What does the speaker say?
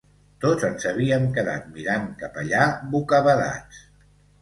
Tots ens havíem quedat mirant cap allà, bocabadats